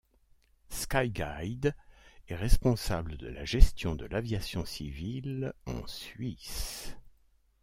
Skyguide est responsable de la gestion de l'aviation civile en Suisse.